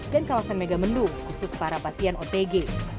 dan kawasan mega mendung khusus para pasien otg